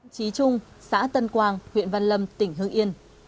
trí trung xã tân quang huyện văn lâm tỉnh hưng yên